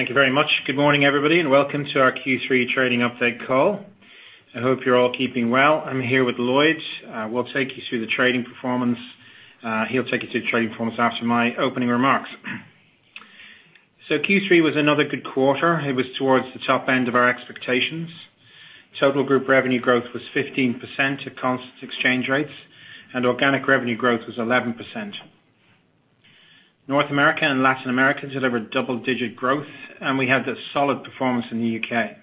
Thank you very much. Good morning, everybody, and welcome to our Q3 trading update call. I hope you're all keeping well. I'm here with Lloyd. We'll take you through the trading performance. He'll take you through the trading performance after my opening remarks. Q3 was another good quarter. It was towards the top end of our expectations. Total group revenue growth was 15% at constant exchange rates, and organic revenue growth was 11%. North America and Latin America delivered double-digit growth, and we had a solid performance in the U.K.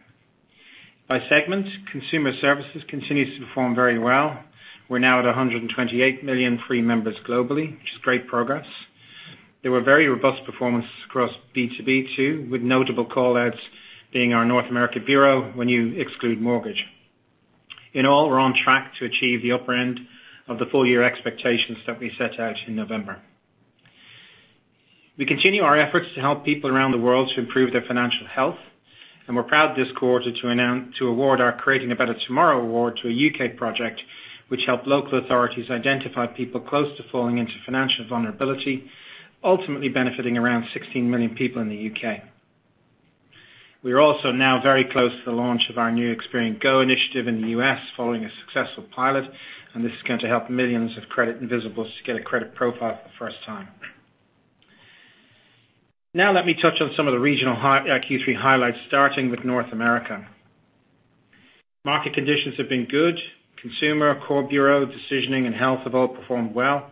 By segment, Consumer Services continues to perform very well. We're now at 128 million free members globally, which is great progress. There was very robust performance across B2B, with notable call-outs being our North America bureau when you exclude mortgage. In all, we're on track to achieve the upper end of the full-year expectations that we set out in November. We continue our efforts to help people around the world to improve their financial health, and we're proud this quarter to award our Creating a Better Tomorrow award to a U.K. project which helped local authorities identify people close to falling into financial vulnerability, ultimately benefiting around 16 million people in the U.K. We are also now very close to the launch of our new Experian Go initiative in the U.S. following a successful pilot, and this is going to help millions of credit invisibles to get a credit profile for the first time. Now let me touch on some of the regional Q3 highlights, starting with North America. Market conditions have been good. Consumer, core bureau, decisioning, and health have all performed well.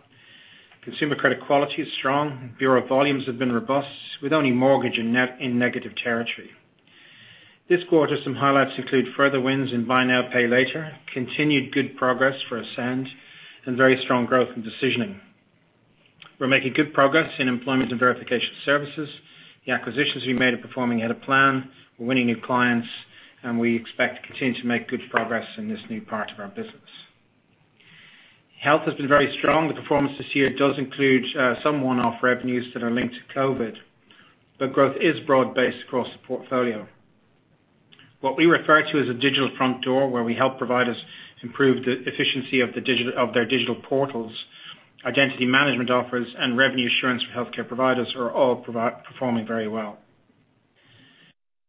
Consumer credit quality is strong. Bureau volumes have been robust, with only mortgage in negative territory. This quarter, some highlights include further wins in buy now, pay later, continued good progress for Ascend, and very strong growth in decisioning. We're making good progress in employment verification services. The acquisitions we made are performing ahead of plan. We're winning new clients, and we expect to continue to make good progress in this new part of our business. Health has been very strong. The performance this year does include some one-off revenues that are linked to COVID-19, but growth is broad-based across the portfolio. What we refer to as a digital front door, where we help providers improve the efficiency of their digital portals, identity management offers and revenue assurance for healthcare providers are all performing very well.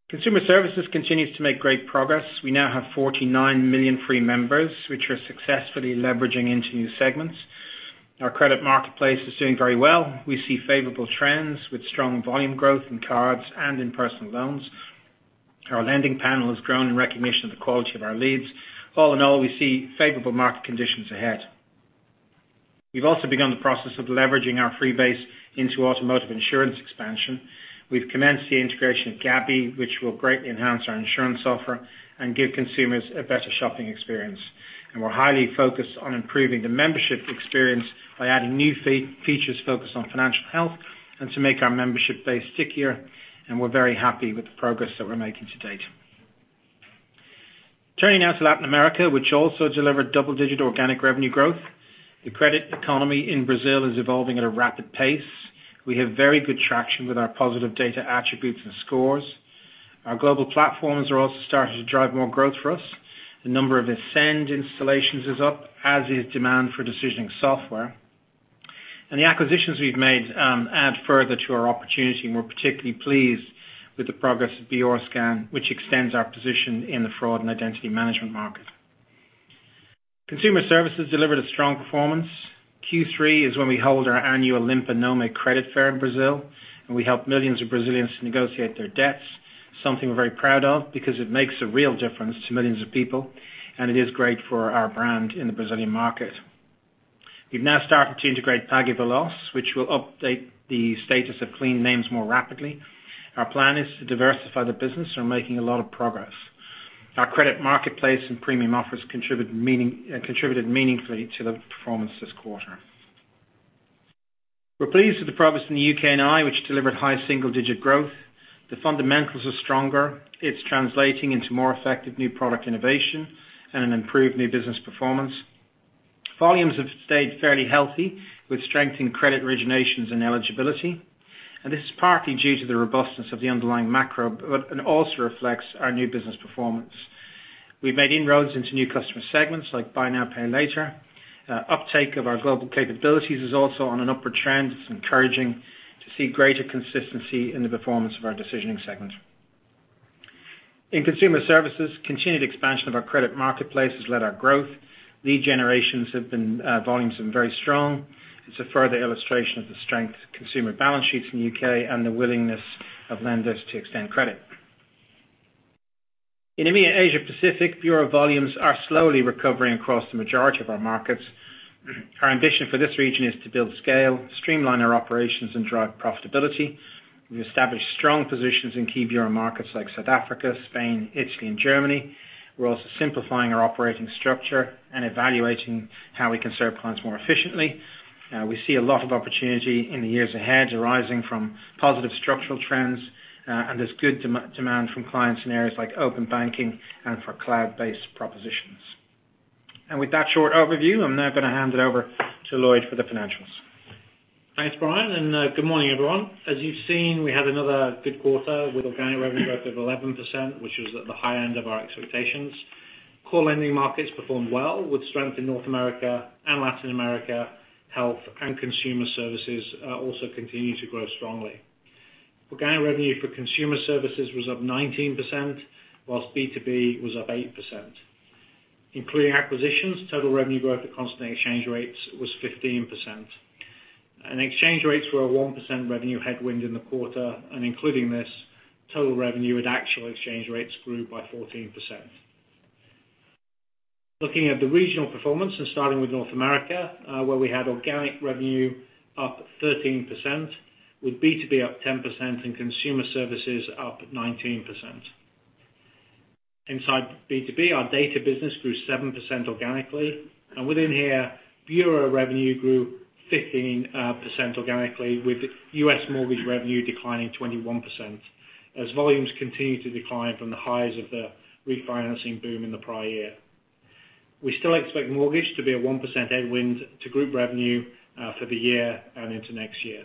Consumer Services continues to make great progress. We now have 49 million free members, which are successfully leveraging into new segments. Our credit marketplace is doing very well. We see favorable trends with strong volume growth in cards and in personal loans. Our lending panel has grown in recognition of the quality of our leads. All in all, we see favorable market conditions ahead. We've also begun the process of leveraging our free base into automotive insurance expansion. We've commenced the integration of Gabi, which will greatly enhance our insurance offer and give consumers a better shopping experience. We're highly focused on improving the membership experience by adding new features focused on financial health and to make our membership base stickier, and we're very happy with the progress that we're making to date. Turning now to Latin America, which also delivered double-digit organic revenue growth. The credit economy in Brazil is evolving at a rapid pace. We have very good traction with our positive data attributes and scores. Our global platforms are also starting to drive more growth for us. The number of Ascend installations is up, as is demand for decisioning software. The acquisitions we've made add further to our opportunity, and we're particularly pleased with the progress of BrScan, which extends our position in the fraud and identity management market. Consumer Services delivered a strong performance. Q3 is when we hold our annual Limpa Nome credit fair in Brazil, and we help millions of Brazilians negotiate their debts, something we're very proud of because it makes a real difference to millions of people, and it is great for our brand in the Brazilian market. We've now started to integrate PagueVeloz, which will update the status of clean names more rapidly. Our plan is to diversify the business, and we're making a lot of progress. Our credit marketplace and premium offers contributed meaningfully to the performance this quarter. We're pleased with the progress in the U.K. and Ireland, which delivered high single-digit growth. The fundamentals are stronger. It's translating into more effective new product innovation and an improved new business performance. Volumes have stayed fairly healthy, with strength in credit originations and eligibility, and this is partly due to the robustness of the underlying macro and also reflects our new business performance. We've made inroads into new customer segments, like buy now, pay later. Uptake of our global capabilities is also on an upward trend. It's encouraging to see greater consistency in the performance of our decisioning segment. In Consumer Services, continued expansion of our credit marketplace has led our growth. Lead generations have been, volumes have been very strong. It's a further illustration of the strength of consumer balance sheets in the U.K. and the willingness of lenders to extend credit. In EMEA, Asia Pacific, bureau volumes are slowly recovering across the majority of our markets. Our ambition for this region is to build scale, streamline our operations, and drive profitability. We established strong positions in key bureau markets like South Africa, Spain, Italy, and Germany. We're also simplifying our operating structure and evaluating how we can serve clients more efficiently. We see a lot of opportunity in the years ahead arising from positive structural trends, and there's good demand from clients in areas like open banking and for cloud-based propositions. With that short overview, I'm now gonna hand it over to Lloyd for the financials. Thanks, Brian, and good morning, everyone. As you've seen, we had another good quarter with organic revenue growth of 11%, which was at the high end of our expectations. Core lending markets performed well with strength in North America and Latin America. Health and Consumer Services also continue to grow strongly. Organic revenue for Consumer Services was up 19%, while B2B was up 8%. Including acquisitions, total revenue growth at constant exchange rates was 15%. Exchange rates were a 1% revenue headwind in the quarter, and including this, total revenue at actual exchange rates grew by 14%. Looking at the regional performance and starting with North America, where we had organic revenue up 13% with B2B up 10% and Consumer Services up 19%. Inside B2B, our data business grew 7% organically, and within here, bureau revenue grew 15% organically with U.S. mortgage revenue declining 21% as volumes continue to decline from the highs of the refinancing boom in the prior year. We still expect mortgage to be a 1% headwind to group revenue for the year and into next year.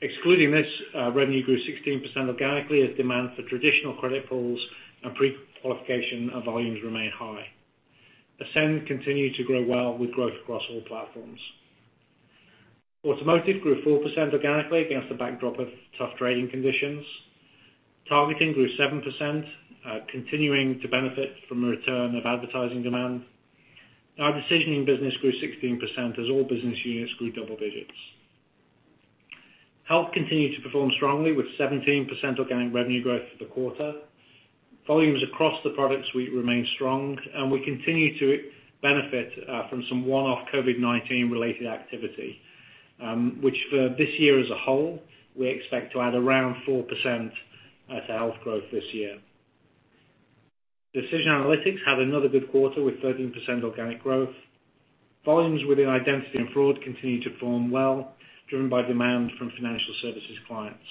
Excluding this, revenue grew 16% organically as demand for traditional credit pulls and prequalification of volumes remain high. Ascend continued to grow well with growth across all platforms. Automotive grew 4% organically against the backdrop of tough trading conditions. Targeting grew 7%, continuing to benefit from the return of advertising demand. Our decisioning business grew 16% as all business units grew double digits. Health continued to perform strongly with 17% organic revenue growth for the quarter. Volumes across the product suite remain strong, and we continue to benefit from some one-off COVID-19 related activity, which for this year as a whole, we expect to add around 4% to our Health growth this year. Decision Analytics had another good quarter with 13% organic growth. Volumes within identity and fraud continued to perform well, driven by demand from financial services clients.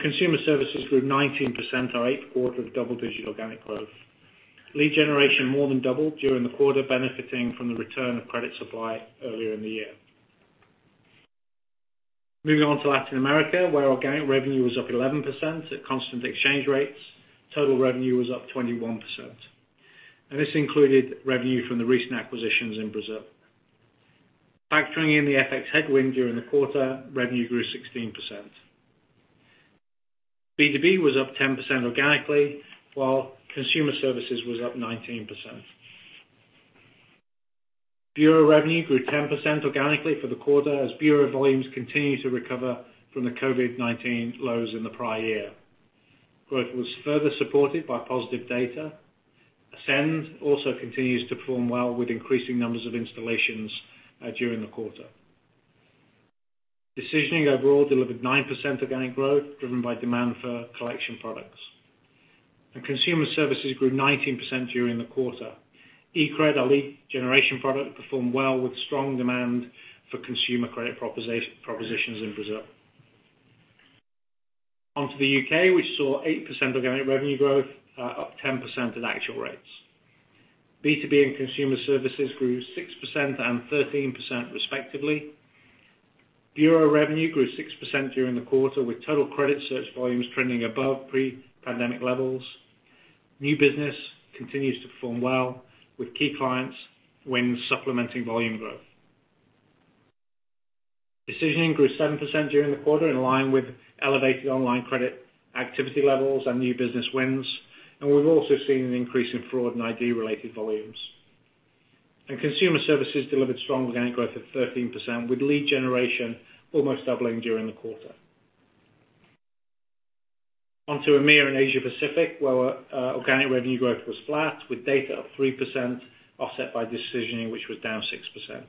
Consumer Services grew 19%, our eighth quarter of double-digit organic growth. Lead generation more than doubled during the quarter, benefiting from the return of credit supply earlier in the year. Moving on to Latin America, where organic revenue was up 11% at constant exchange rates, total revenue was up 21%. This included revenue from the recent acquisitions in Brazil. Factoring in the FX headwind during the quarter, revenue grew 16%. B2B was up 10% organically, while Consumer Services was up 19%. Bureau revenue grew 10% organically for the quarter as bureau volumes continue to recover from the COVID-19 lows in the prior year. Growth was further supported by positive data. Ascend also continues to perform well with increasing numbers of installations during the quarter. Decisioning overall delivered 9% organic growth, driven by demand for collection products. Consumer Services grew 19% during the quarter. e-Cred, our lead generation product, performed well with strong demand for consumer credit propositions in Brazil. On to the U.K., we saw 8% organic revenue growth, up 10% at actual rates. B2B and Consumer Services grew 6% and 13% respectively. Bureau revenue grew 6% during the quarter, with total credit search volumes trending above pre-pandemic levels. New business continues to perform well with key clients when supplementing volume growth. Decisioning grew 7% during the quarter in line with elevated online credit activity levels and new business wins. We've also seen an increase in fraud and ID related volumes. Consumer Services delivered strong organic growth of 13%, with lead generation almost doubling during the quarter. On to EMEA and Asia Pacific, where organic revenue growth was flat with data up 3%, offset by decisioning, which was down 6%.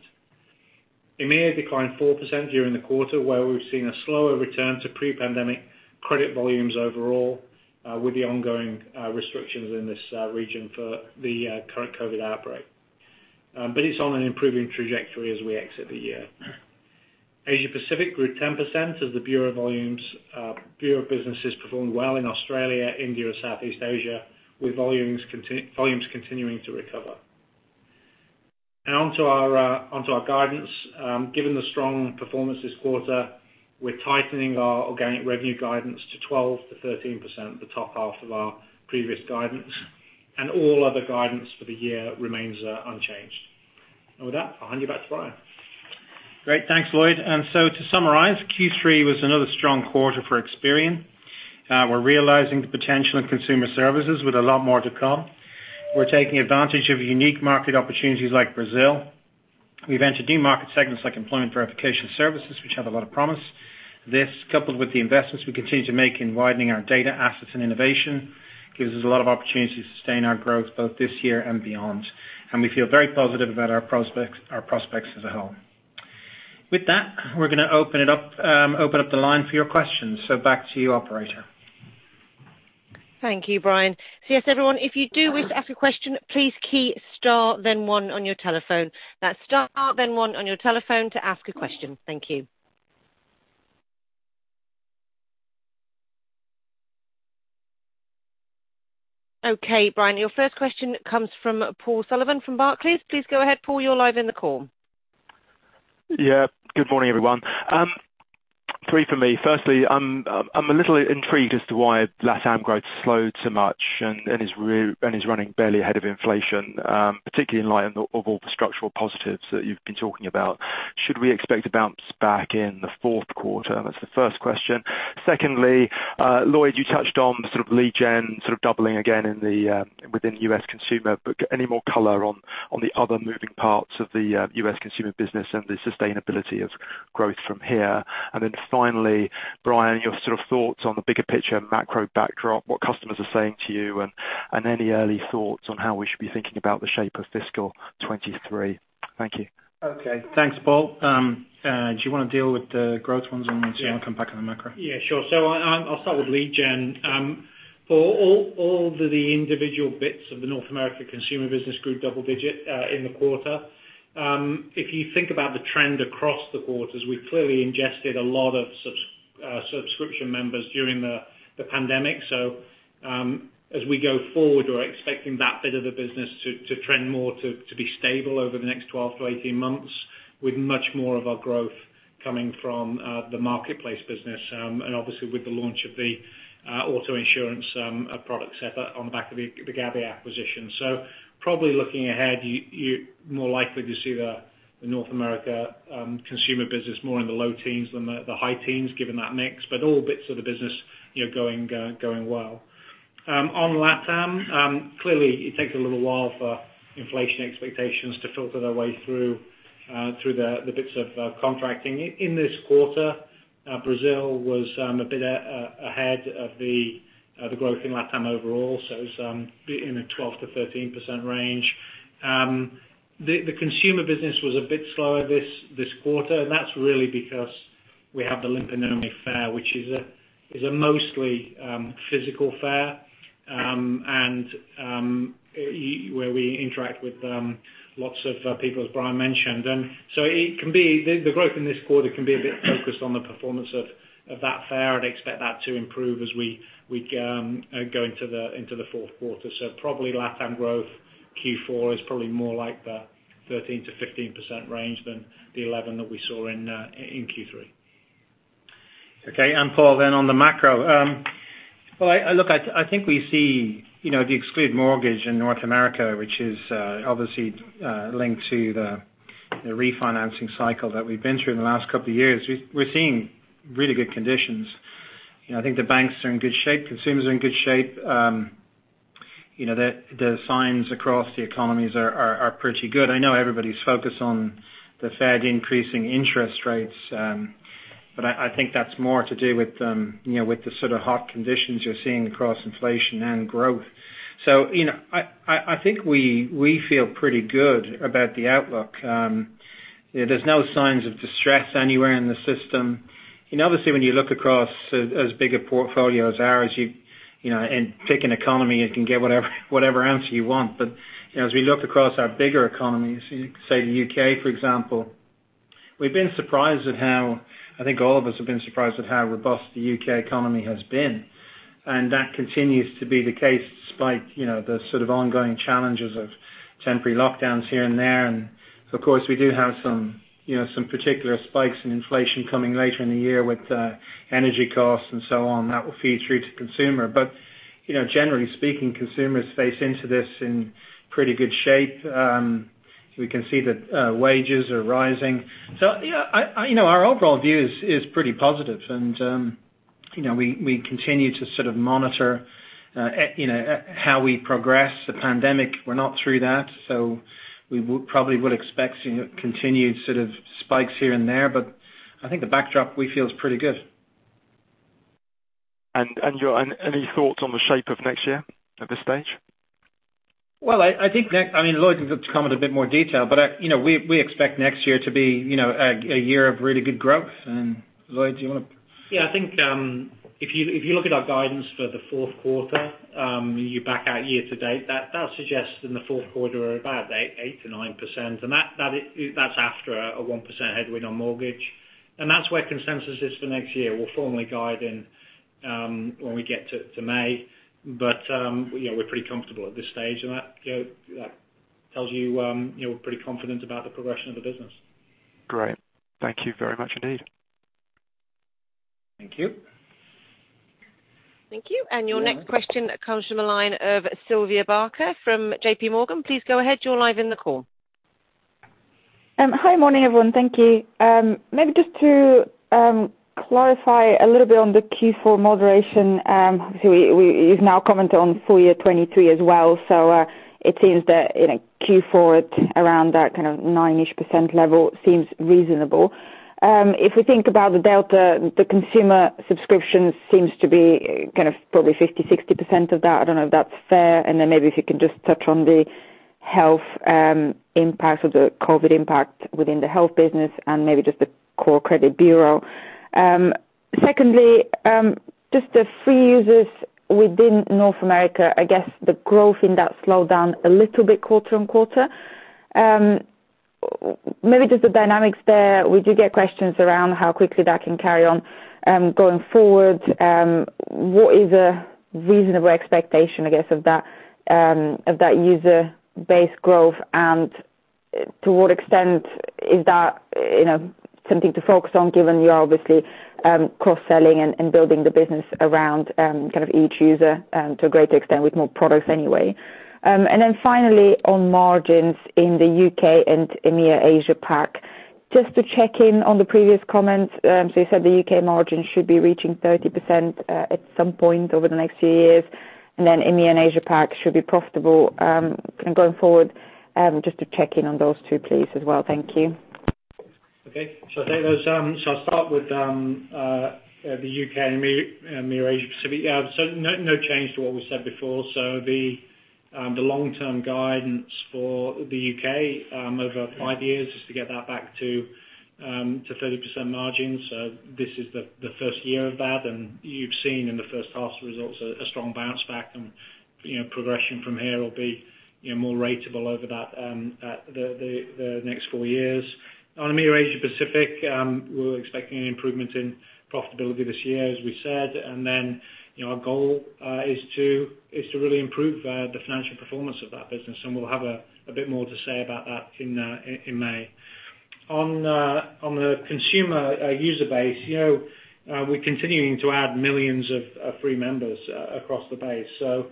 EMEA declined 4% during the quarter, where we've seen a slower return to pre-pandemic credit volumes overall, with the ongoing restrictions in this region for the current COVID outbreak. It's on an improving trajectory as we exit the year. Asia Pacific grew 10% as the bureau businesses performed well in Australia, India, and Southeast Asia, with volumes continuing to recover. Now on to our guidance. Given the strong performance this quarter, we're tightening our organic revenue guidance to 12%-13%, the top half of our previous guidance, and all other guidance for the year remains unchanged. With that, I'll hand you back to Brian. Great. Thanks, Lloyd. To summarize, Q3 was another strong quarter for Experian. We're realizing the potential in Consumer Services with a lot more to come. We're taking advantage of unique market opportunities like Brazil. We've entered new market segments like employment verification services, which have a lot of promise. This, coupled with the investments we continue to make in widening our data assets and innovation, gives us a lot of opportunity to sustain our growth both this year and beyond. We feel very positive about our prospects as a whole. With that, we're gonna open it up, open up the line for your questions. Back to you, operator. Thank you, Brian. Yes, everyone, if you do wish to ask a question, please key star then one on your telephone. That's star then one on your telephone to ask a question. Thank you. Okay, Brian, your first question comes from Paul Sullivan from Barclays. Please go ahead, Paul. You're live in the call. Yeah. Good morning, everyone. Three for me. Firstly, I'm a little intrigued as to why LatAm growth slowed so much and is running barely ahead of inflation, particularly in light of all the structural positives that you've been talking about. Should we expect a bounce back in the fourth quarter? That's the first question. Secondly, Lloyd, you touched on sort of lead gen sort of doubling again within U.S. consumer. But any more color on the other moving parts of the U.S. consumer business and the sustainability of growth from here? And then finally, Brian, your sort of thoughts on the bigger picture macro backdrop, what customers are saying to you, and any early thoughts on how we should be thinking about the shape of fiscal 2023. Thank you. Okay. Thanks, Paul. Do you wanna deal with the growth ones, and then. Yeah I'll come back on the macro. Yeah, sure. I'll start with lead gen. For all of the individual bits of the North America Consumer Business group double-digit in the quarter, if you think about the trend across the quarters, we've clearly ingested a lot of subscription members during the pandemic. As we go forward, we're expecting that bit of the business to trend more stable over the next 12 to 18 months with much more of our growth coming from the marketplace business, and obviously with the launch of the auto insurance product set on back of the Gabi acquisition. Probably looking ahead, you more likely to see the North America consumer business more in the low teens than the high teens, given that mix. All bits of the business, you know, going well. On LatAm, clearly it takes a little while for inflation expectations to filter their way through the bits of contracting. In this quarter, Brazil was a bit ahead of the growth in LatAm overall, so some in the 12%-13% range. The consumer business was a bit slower this quarter, and that's really because we have the Limpa Nome fair, which is a mostly physical fair, and where we interact with lots of people, as Brian mentioned. It can be the growth in this quarter can be a bit focused on the performance of that fair and expect that to improve as we go into the fourth quarter. Probably LatAm growth Q4 is probably more like the 13%-15% range than the 11% that we saw in Q3. Okay. Paul, then on the macro. I think we see, you know, if you exclude mortgage in North America, which is obviously linked to the refinancing cycle that we've been through in the last couple of years, we're seeing really good conditions. You know, I think the banks are in good shape, consumers are in good shape. The signs across the economies are pretty good. I know everybody's focused on the Fed increasing interest rates, but I think that's more to do with, you know, with the sort of hot conditions you're seeing across inflation and growth. You know, I think we feel pretty good about the outlook. There's no signs of distress anywhere in the system. You know, obviously, when you look across as big a portfolio as ours, you know, and pick an economy, you can get whatever answer you want. You know, as we look across our bigger economies, say the U.K., for example, we've been surprised at how I think all of us have been surprised at how robust the U.K. economy has been, and that continues to be the case despite, you know, the sort of ongoing challenges of temporary lockdowns here and there. Of course, we do have some particular spikes in inflation coming later in the year with energy costs and so on that will feed through to consumer. You know, generally speaking, consumers face into this in pretty good shape. We can see that wages are rising. You know, our overall view is pretty positive. You know, we continue to sort of monitor how the pandemic progresses. We're not through that, so we would probably expect, you know, continued sort of spikes here and there. I think the backdrop we feel is pretty good. Any thoughts on the shape of next year at this stage? Well, I think, I mean, Lloyd can comment a bit more detail, but, you know, we expect next year to be, you know, a year of really good growth. Lloyd, do you wanna? Yeah. I think if you look at our guidance for the fourth quarter, you back out year to date, that suggests in the fourth quarter about 8%-9%, and that's after a 1% headwind on mortgage, and that's where consensus is for next year. We'll formally guide in when we get to May. You know, we're pretty comfortable at this stage, and that tells you know, we're pretty confident about the progression of the business. Great. Thank you very much indeed. Thank you. Thank you. Your next question comes from the line of Sylvia Barker from J.P. Morgan. Please go ahead. You're live in the call. Hi. Morning, everyone. Thank you. Maybe just to clarify a little bit on the Q4 moderation. You've now commented on full year 2023 as well. It seems that in a Q4 around that kind of 9%-ish level seems reasonable. If we think about the delta, the consumer subscription seems to be kind of probably 50-60% of that. I don't know if that's fair. Then maybe if you can just touch on the Health impact of the COVID-19 impact within the Health business and maybe just the core credit bureau. Secondly, just the free users within North America, I guess the growth in that slowed down a little bit quarter-on-quarter. Maybe just the dynamics there. We do get questions around how quickly that can carry on going forward. What is a reasonable expectation, I guess, of that user base growth and? To what extent is that, you know, something to focus on given you're obviously cross-selling and building the business around kind of each user to a greater extent with more products anyway. Then finally, on margins in the U.K. and EMEA Asia Pac, just to check in on the previous comments. You said the U.K. margins should be reaching 30% at some point over the next few years, and then EMEA and Asia Pac should be profitable going forward. Just to check in on those two please as well. Thank you. Okay. I think there's... I'll start with the UK and EMEA Asia Pacific. Yeah, no change to what we said before. The long-term guidance for the UK over 5 years is to get that back to 30% margins. This is the first year of that. You've seen in the first half's results a strong bounce back. You know, progression from here will be, you know, more ratable over that the next 4 years. On EMEA Asia Pacific, we're expecting an improvement in profitability this year, as we said. Then, you know, our goal is to really improve the financial performance of that business, and we'll have a bit more to say about that in May. On the consumer user base, you know, we're continuing to add millions of free members across the base. A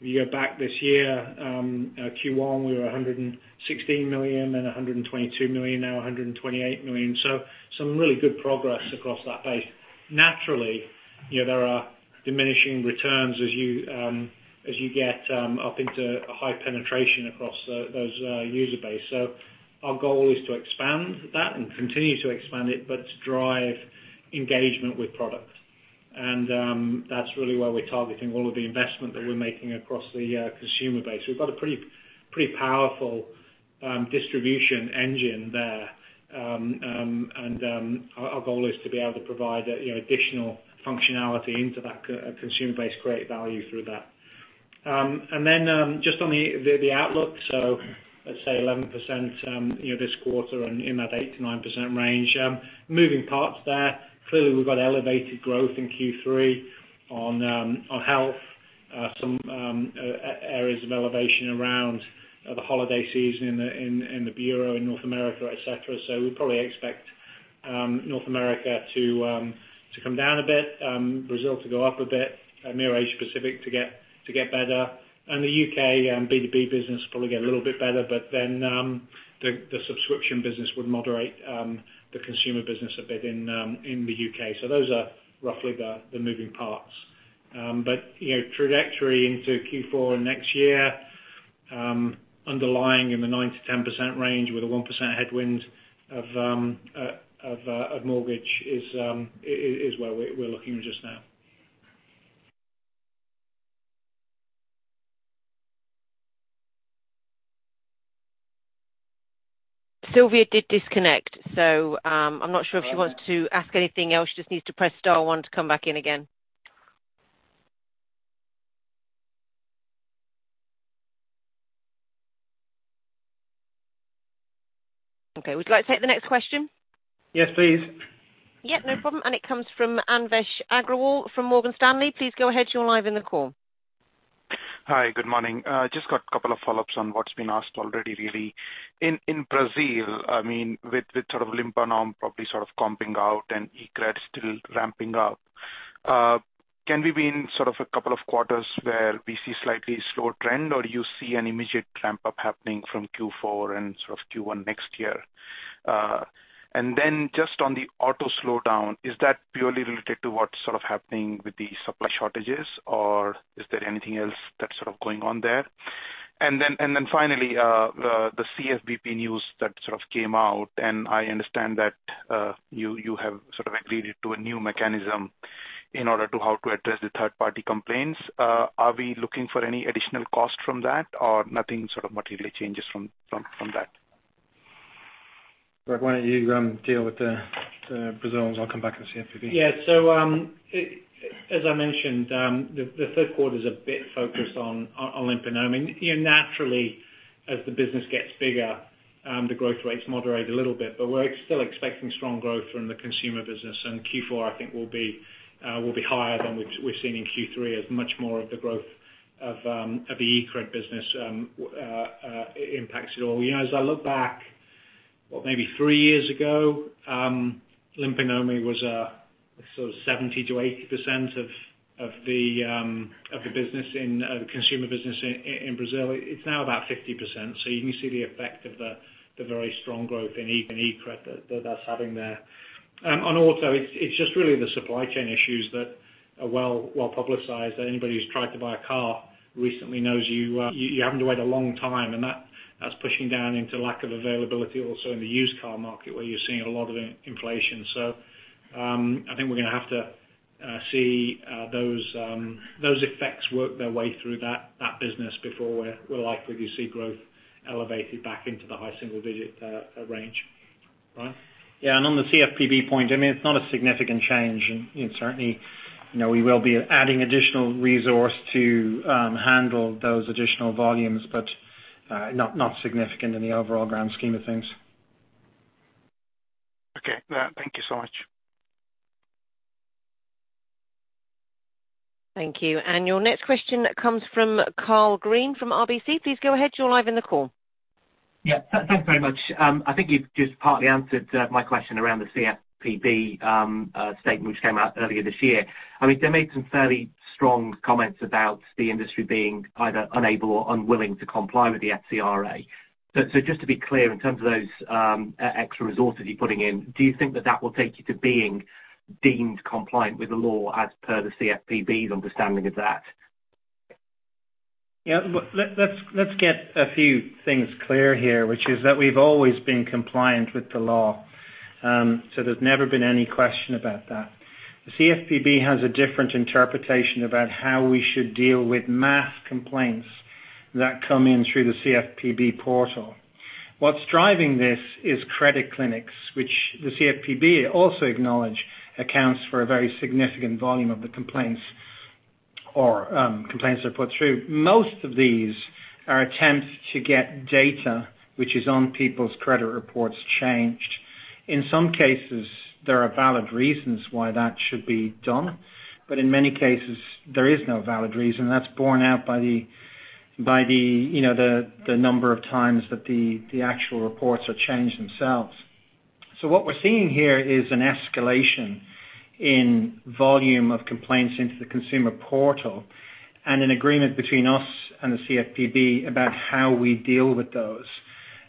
year back this year, Q1, we were 116 million, then 122 million, now 128 million. Some really good progress across that base. Naturally, you know, there are diminishing returns as you get up into a high penetration across those user base. Our goal is to expand that and continue to expand it, but to drive engagement with products. That's really where we're targeting all of the investment that we're making across the consumer base. We've got a pretty powerful distribution engine there. Our goal is to be able to provide you know additional functionality into that consumer base, create value through that. Then just on the outlook, let's say 11% you know this quarter and in that 8%-9% range. Moving parts there. Clearly, we've got elevated growth in Q3 on Health. Some areas of elevation around the holiday season in the bureau in North America, etc. We probably expect North America to come down a bit, Brazil to go up a bit, EMEA Asia Pacific to get better. The U.K. B2B business will probably get a little bit better, but then the subscription business would moderate the consumer business a bit in the U.K. Those are roughly the moving parts. But you know, trajectory into Q4 and next year, underlying in the 9%-10% range with a 1% headwind of mortgages is where we're looking just now. Sylvia did disconnect, so, I'm not sure if she wants to ask anything else. She just needs to press star one to come back in again. Okay. Would you like to take the next question? Yes, please. Yeah, no problem. It comes from Anvesh Agrawal from Morgan Stanley. Please go ahead. You're live in the call. Hi, good morning. Just got a couple of follow-ups on what's been asked already, really. In Brazil, I mean, with sort of Limpa Nome probably sort of comping out and eCred still ramping up, can we be in sort of a couple of quarters where we see slightly slower trend, or you see an immediate ramp-up happening from Q4 and sort of Q1 next year? And then just on the auto slowdown, is that purely related to what's sort of happening with the supply shortages, or is there anything else that's sort of going on there? And then finally, the CFPB news that sort of came out, and I understand that you have sort of agreed to a new mechanism in order to how to address the third-party complaints. Are we looking for any additional cost from that or nothing sort of materially changes from that? Rod, why don't you deal with Brazil, and I'll come back to CFPB. Yeah. As I mentioned, the third quarter's a bit focused on Limpa Nome. You know, naturally, as the business gets bigger, the growth rates moderate a little bit. We're still expecting strong growth from the consumer business, and Q4, I think will be higher than we're seeing in Q3 as much more of the growth of the eCred business impacts it all. You know, as I look back, maybe three years ago, Limpa Nome was sort of 70%-80% of the business in the consumer business in Brazil. It's now about 50%. You can see the effect of the very strong growth in eCred that's having there. On auto, it's just really the supply chain issues that are well-publicized. Anybody who's tried to buy a car recently knows you're having to wait a long time, and that's pushing down into lack of availability also in the used car market, where you're seeing a lot of inflation. I think we're gonna have to see those effects work their way through that business before we're likely to see growth elevated back into the high single digit range. Rod? Yeah, on the CFPB point, I mean, it's not a significant change. You know, certainly, you know, we will be adding additional resource to handle those additional volumes, but not significant in the overall grand scheme of things. Okay. Yeah. Thank you so much. Thank you. Your next question comes from Karl Green from RBC. Please go ahead. You're live in the call. Thanks very much. I think you've just partly answered my question around the CFPB statement which came out earlier this year. I mean, they made some fairly strong comments about the industry being either unable or unwilling to comply with the FCRA. Just to be clear, in terms of those extra resources you're putting in, do you think that will take you to being deemed compliant with the law as per the CFPB's understanding of that? Yeah. Look, let's get a few things clear here, which is that we've always been compliant with the law. There's never been any question about that. The CFPB has a different interpretation about how we should deal with mass complaints that come in through the CFPB portal. What's driving this is credit clinics, which the CFPB also acknowledge accounts for a very significant volume of the complaints they put through. Most of these are attempts to get data which is on people's credit reports changed. In some cases, there are valid reasons why that should be done, but in many cases, there is no valid reason. That's borne out by the you know, the number of times that the actual reports are changed themselves. What we're seeing here is an escalation in volume of complaints into the consumer portal and an agreement between us and the CFPB about how we deal with those.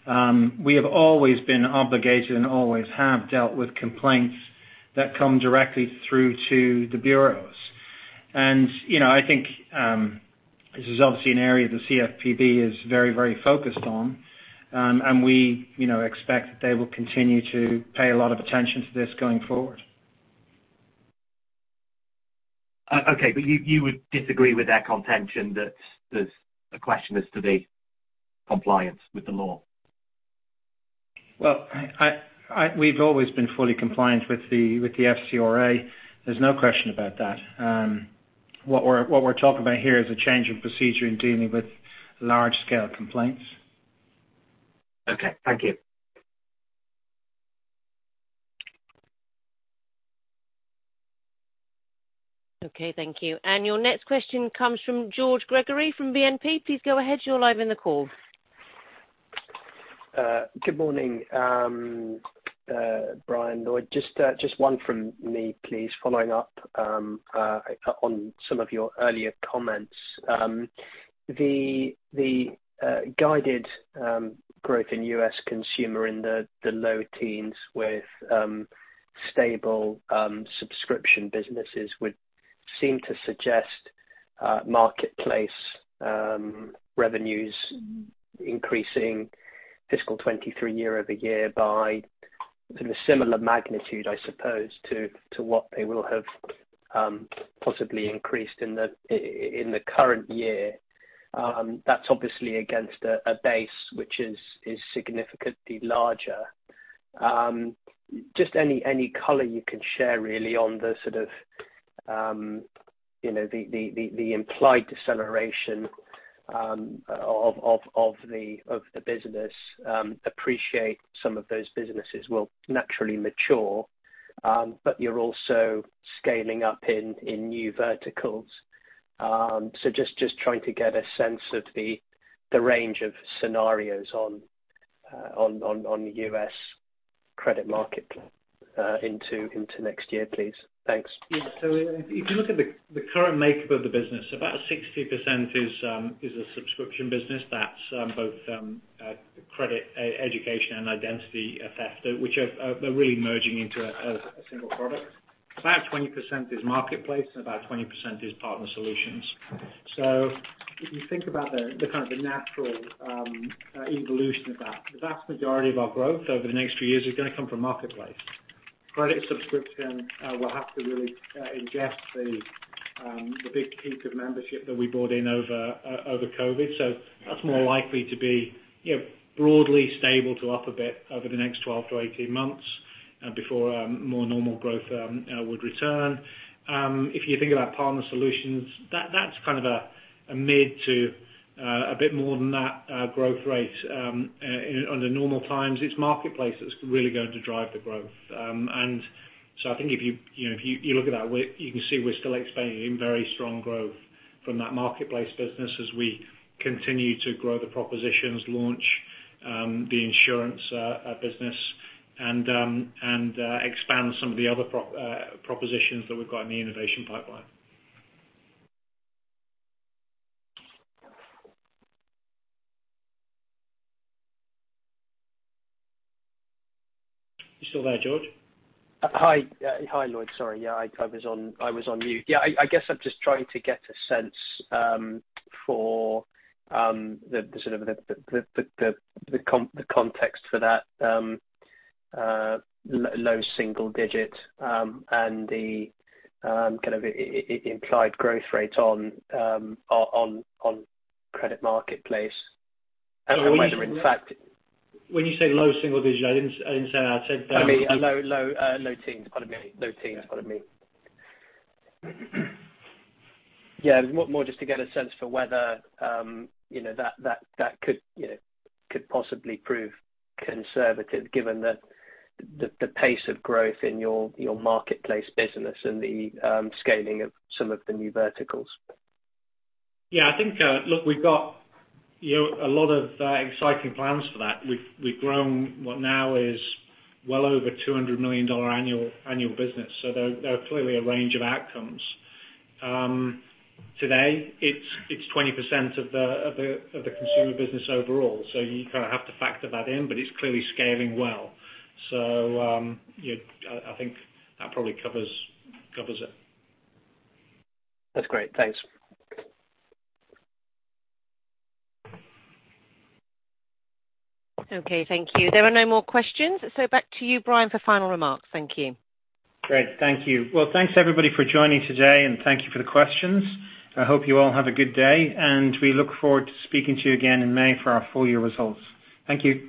We have always been obligated and always have dealt with complaints that come directly through to the bureaus. I think this is obviously an area the CFPB is very, very focused on. We expect that they will continue to pay a lot of attention to this going forward. Okay. You would disagree with their contention that there's a question as to the compliance with the law? Well, we've always been fully compliant with the FCRA. There's no question about that. What we're talking about here is a change in procedure in dealing with large-scale complaints. Okay. Thank you. Okay. Thank you. Your next question comes from George Gregory from BNP. Please go ahead. You're live on the call. Good morning, Brian, Lloyd. Just one from me, please, following up on some of your earlier comments. The guided growth in U.S. consumer in the low teens with stable subscription businesses would seem to suggest marketplace revenues increasing fiscal 2023 year-over-year by in a similar magnitude, I suppose, to what they will have possibly increased in the current year. That's obviously against a base which is significantly larger. Just any color you can share really on the sort of, you know, the implied deceleration of the business. Appreciate some of those businesses will naturally mature, but you're also scaling up in new verticals. Just trying to get a sense of the range of scenarios on the U.S. credit marketplace into next year, please. Thanks. Yeah. If you look at the current makeup of the business, about 60% is a subscription business. That's both credit education and identity theft, which are, they're really merging into a single product. About 20% is marketplace, and about 20% is partner solutions. If you think about the kind of natural evolution of that, the vast majority of our growth over the next few years is gonna come from marketplace. Credit subscription will have to really ingest the big peak of membership that we brought in over COVID. That's more likely to be, you know, broadly stable to up a bit over the next 12-18 months, before more normal growth would return. If you think about partner solutions, that's kind of a mid- to a bit more than that growth rate under normal times. It's marketplace that's really going to drive the growth. I think, you know, if you look at that, you can see we're still expanding in very strong growth from that marketplace business as we continue to grow the propositions, launch the insurance business and expand some of the other propositions that we've got in the innovation pipeline. You still there, George? Hi. Hi, Lloyd. Sorry. Yeah, I was on mute. Yeah, I guess I'm just trying to get a sense for the sort of context for that low single digit and the kind of implied growth rate on credit marketplace and whether in fact- When you say low single digit, I didn't say I said. I mean low teens. Pardon me. Low teens. Pardon me. Yeah. More just to get a sense for whether you know that could you know could possibly prove conservative given the pace of growth in your marketplace business and the scaling of some of the new verticals. Yeah, I think, look, we've got, you know, a lot of exciting plans for that. We've grown what now is well over $200 million annual business. There are clearly a range of outcomes. Today it's 20% of the consumer business overall. You kind of have to factor that in, but it's clearly scaling well. You know, I think that probably covers it. That's great. Thanks. Okay. Thank you. There are no more questions. Back to you, Brian, for final remarks. Thank you. Great. Thank you. Well, thanks everybody for joining today, and thank you for the questions. I hope you all have a good day, and we look forward to speaking to you again in May for our full year results. Thank you.